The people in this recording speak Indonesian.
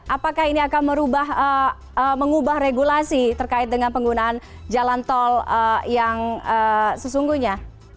apakah ini akan mengubah regulasi terkait dengan penggunaan jalan tol yang sesungguhnya